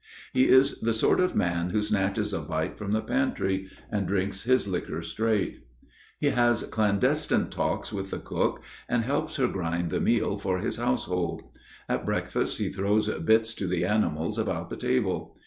He is the sort of man who snatches a bite from the pantry and drinks his liquor straight. He has clandestine talks with the cook and helps her grind the meal for his household. At breakfast he throws bits to the animals about the table.